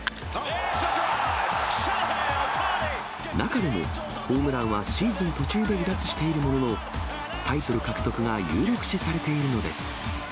中でも、ホームランはシーズン途中で離脱しているものの、タイトル獲得が有力視されているのです。